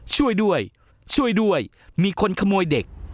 ช่วยด้วยช่วยด้วยมีคนขโมยเด็ก